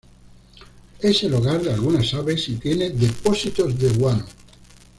Es el hogar de algunas aves y tiene depósitos de guano.